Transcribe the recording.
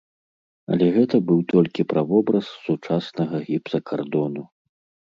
Але гэта быў толькі правобраз сучаснага гіпсакардону.